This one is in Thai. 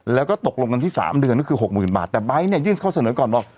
แล้วก็ตกลงกันที่สามเดือนก็คือหกหมื่นบาทแต่ไบร์ทเนี่ยยื่นเขาเสนอก่อนบอก